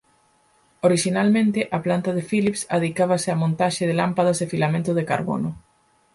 Orixinalmente a planta de Philips adicábase á montaxe de lámpadas de filamento de carbono.